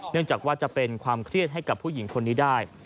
จากว่าจะเป็นความเครียดให้กับผู้หญิงคนนี้ได้